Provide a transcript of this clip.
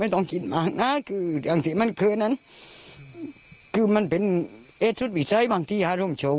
ท่านที่มันกูนั้นกือมันเป็นเอกทุศวิสัยบางที่ฮะ